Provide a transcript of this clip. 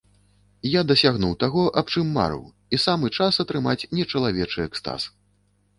Я дасягнуў таго аб чым марыў і самы час атрымаць нечалавечы экстаз.